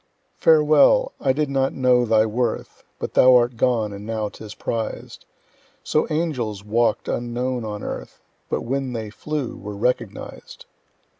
Farewell! I did not know thy worth; But thou art gone, and now 'tis prized: So angels walk'd unknown on earth, But when they flew were recognized.